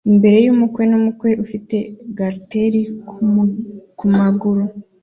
imbere yumukwe numukwe ufite garter kumaguru